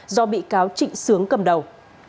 do bị cáo trịnh sướng cầm đầu